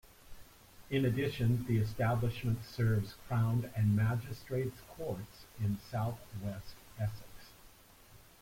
In addition the establishment serves Crown and Magistrates' Courts in South West Essex.